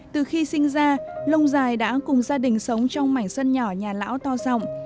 từ khi sinh ra lông dài đã cùng gia đình sống trong mảnh sân nhỏ nhà lão to giọng